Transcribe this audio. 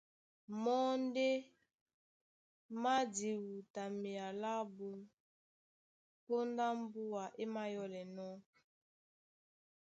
Mɔ́ ndé má e diwutamea lábū póndá mbúa é mayɔ́lɛnɔ̄,